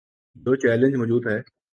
جو چیلنج موجود ہے۔